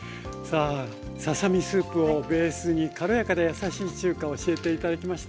ささ身スープをベースに軽やかで優しい中華を教えて頂きました。